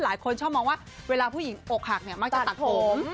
หลายคนชอบมองว่าเวลาผู้หญิงอกหักเนี่ยมักจะตัดผม